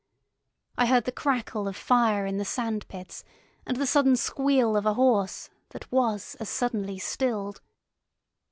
I heard the crackle of fire in the sand pits and the sudden squeal of a horse that was as suddenly stilled.